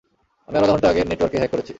আমি আরো আধা ঘন্টা আগে নেটওয়ার্কে হ্যাক করেছি।